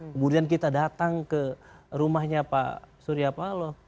kemudian kita datang ke rumahnya pak surya paloh